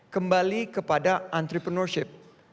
kembali kepada entrepreneurship